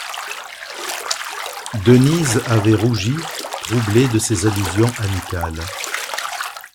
Denise avait rougi, troublée de ces allusions amicales.